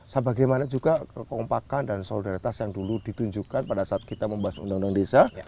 sebagaimana juga kekompakan dan solidaritas yang dulu ditunjukkan pada saat kita membahas undang undang desa